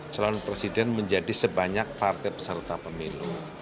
calon presiden menjadi sebanyak partai peserta pemilu